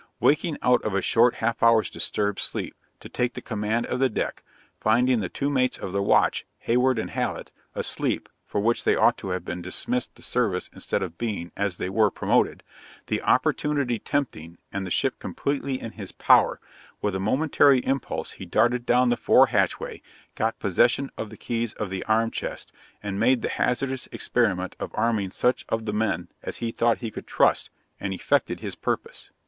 Waking out of a short half hour's disturbed sleep, to take the command of the deck finding the two mates of the watch, Hayward and Hallet, asleep (for which they ought to have been dismissed the service instead of being, as they were, promoted) the opportunity tempting, and the ship completely in his power, with a momentary impulse he darted down the fore hatchway, got possession of the keys of the arm chest, and made the hazardous experiment of arming such of the men as he thought he could trust, and effected his purpose.